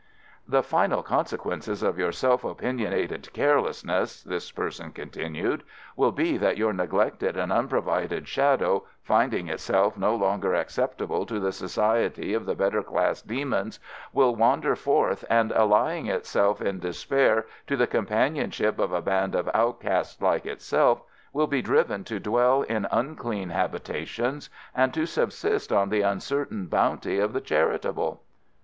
"The final consequences of your self opinionated carelessness," this person continued, "will be that your neglected and unprovided shadow, finding itself no longer acceptable to the society of the better class demons, will wander forth, and allying itself in despair to the companionship of a band of outcasts like itself, will be driven to dwell in unclean habitations and to subsist on the uncertain bounty of the charitable."